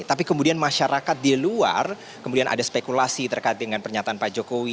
tapi kemudian masyarakat di luar kemudian ada spekulasi terkait dengan pernyataan pak jokowi